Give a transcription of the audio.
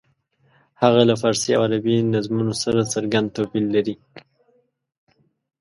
هغه له فارسي او عربي نظمونو سره څرګند توپیر لري.